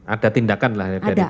ada tindakan lah dari pihak rumah sakit